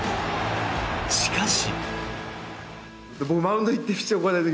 しかし。